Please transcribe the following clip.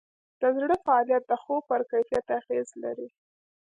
د زړه فعالیت د خوب پر کیفیت اغېز لري.